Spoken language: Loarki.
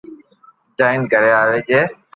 جائين گھري آوي جي